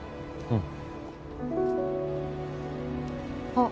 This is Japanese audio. うん。